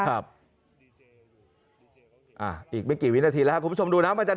ครับอ่าอีกไม่กี่วินาทีแล้วครับคุณผู้ชมดูนะมันจะดับ